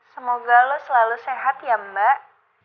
semoga lo selalu sehat ya mbak